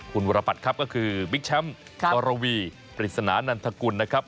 คุณวรปัตรครับก็คือบิ๊กแชมป์อรวีปริศนานันทกุลนะครับ